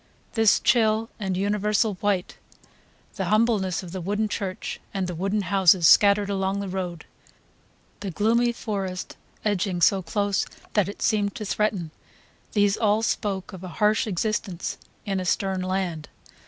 This chill and universal white, the humbleness of the wooden church and the wooden houses scattered along the road, the gloomy forest edging so close that it seemed to threaten, these all spoke of a harsh existence in a stern land.